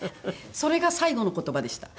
それが最期の言葉でした。